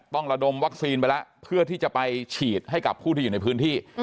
ระดมวัคซีนไปแล้วเพื่อที่จะไปฉีดให้กับผู้ที่อยู่ในพื้นที่